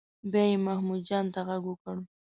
بیا یې محمود جان ته غږ وکړ.